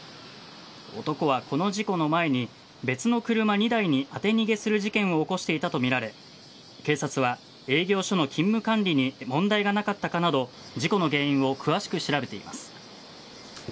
男はこの事故の前に別の車２台に当て逃げする事件を起こしていたとみられ警察は営業所の勤務管理に問題がなかったかなど事故の原因を詳しく調べています。